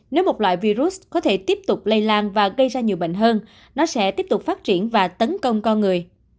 nếu một loại virus có thể tiếp tục lây lan và gây ra nhiều bệnh hơn nó sẽ tiếp tục phát triển và tấn công con người